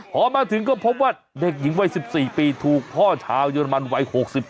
พอมาถึงก็พบว่าเด็กหญิงวัย๑๔ปีถูกพ่อชาวเยอรมันวัย๖๗